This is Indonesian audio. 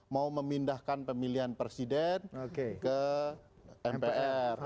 mau memindahkan pemilihan presiden ke mpr